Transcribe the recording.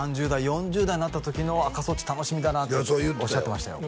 「３０代４０代になった時の赤楚っち楽しみだな」っておっしゃってましたよ